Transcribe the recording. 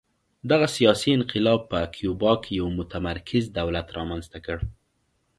دغه سیاسي انقلاب په کیوبا کې یو متمرکز دولت رامنځته کړ